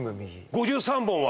５３本は？